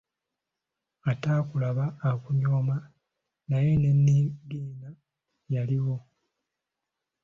Ataakulaba akunyooma, naye ne Niigiina yaliwo!